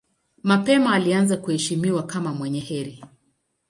Mapema alianza kuheshimiwa kama mwenye heri.